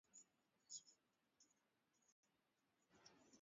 pamoja na jemedari wa kivita von Zelewski